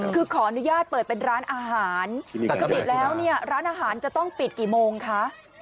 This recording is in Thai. คือขออนุญาตเปิดเป็นร้านอาหารปกติแล้วเนี่ยร้านอาหารจะต้องปิดกี่โมงคะ